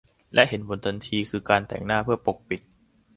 และเห็นผลทันทีคือการแต่งหน้าเพื่อปกปิด